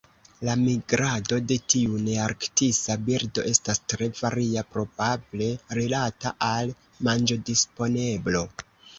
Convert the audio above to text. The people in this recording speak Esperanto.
La migrado de tiu nearktisa birdo estas tre varia, probable rilata al manĝodisponeblo.